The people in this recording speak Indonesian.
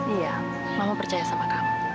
iya mama percaya sama kamu